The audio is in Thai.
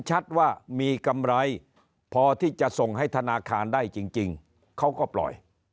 ชัดว่ามีกำไรพอที่จะส่งให้ธนาคารได้จริงเขาก็ปล่อย